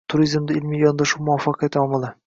Turizmda ilmiy yondashuv muvaffaqiyat omili